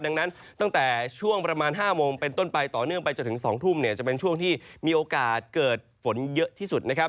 ดังนั้นตั้งแต่ช่วงประมาณ๕โมงเป็นต้นไปต่อเนื่องไปจนถึง๒ทุ่มเนี่ยจะเป็นช่วงที่มีโอกาสเกิดฝนเยอะที่สุดนะครับ